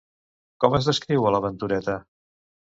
Com es descriu a la Ventureta?